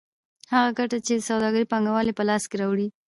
هغه ګټه چې سوداګر پانګوال یې په لاس راوړي